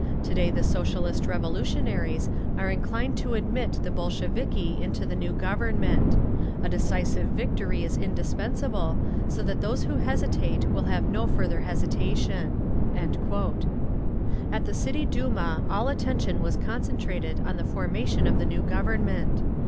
To day the Socialist Revolutionaries are inclined to admit the Bolsheviki into the new Government…. A decisive victory is indispensable, so that those who hesitate will have no further hesitation…." At the City Duma all attention was concentrated on the formation of the new Government.